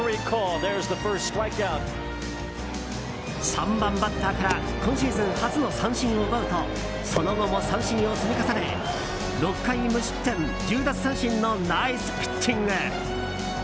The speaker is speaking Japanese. ３番バッターから今シーズン初の三振を奪うとその後も三振を積み重ね６回無失点１０奪三振のナイスピッチング。